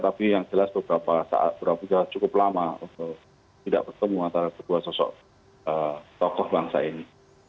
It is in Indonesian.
tapi yang jelas sudah berapa cukup lama tidak bertemu antara kedua sosok tokoh bangsa ini